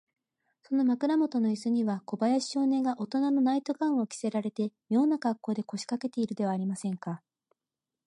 その枕もとのイスには、小林少年がおとなのナイト・ガウンを着せられて、みょうなかっこうで、こしかけているではありませんか。